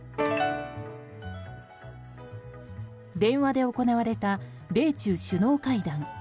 電話で行われた米中首脳会談。